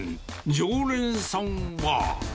常連さんは。